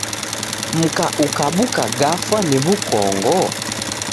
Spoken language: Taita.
Mka ukabuka gafwa ni w'ukongo?